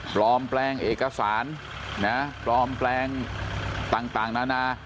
ปลอมแปลงเอกสารปลอมแปลงต่างนานา